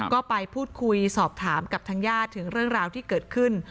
ก็ไปพูดคุยสอบถามกับทางญาติถึงเรื่องราวที่เกิดขึ้น